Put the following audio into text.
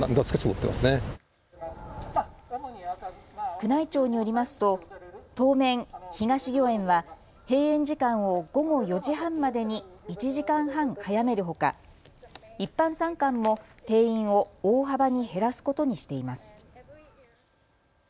宮内庁によりますと当面、東御苑は閉園時間を午後４時半までに１時間半早めるほか一般参観も定員を大幅に減らすことにしています。